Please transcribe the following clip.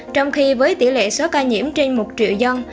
trong khi với tỷ lệ số ca nhiễm trên một triệu dân